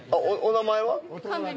お名前は？